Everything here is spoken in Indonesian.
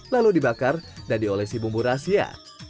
lalu dibakar dan diolesi bumbu rahasia